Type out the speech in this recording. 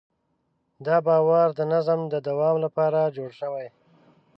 دا باور د نظم د دوام لپاره جوړ شوی.